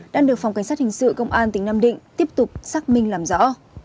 đang được phòng cảnh sát hình sự công an tỉnh nam định tiếp tục xác minh làm rõ